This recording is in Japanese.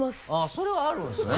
それはあるんですね。